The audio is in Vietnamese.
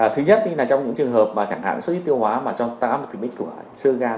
thứ nhất thì là trong những trường hợp mà chẳng hạn xuất huyết tiêu hóa mà tăng áp được tính mạch của sơ gan